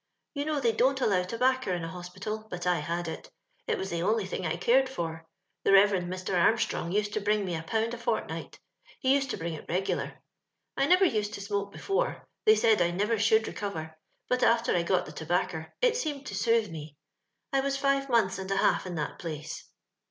You know they dont allow tobaccer m a hospital, but I had it; it was the only thing I cared for. The Reverend Mr. Armstrong used to bring me a pound a fortnight ; he used to bring it regular. I never used to smoke before ; ^ey said I never should recover, but after I got the tobaccer it seemed to soothe me. I was five months and a half in that place.